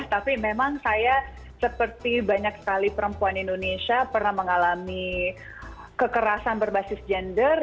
tapi memang saya seperti banyak sekali perempuan indonesia pernah mengalami kekerasan berbasis gender